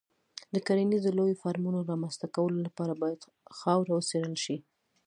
د کرنیزو لویو فارمونو رامنځته کولو لپاره باید خاوره وڅېړل شي.